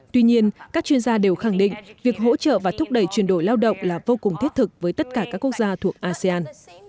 tuy nhiên các chuyên gia đều khẳng định việc hỗ trợ và thúc đẩy chuyển đổi lao động là vô cùng thiết thực với tất cả các quốc gia thuộc asean